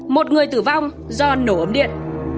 một người tử vong do nổ ấm điện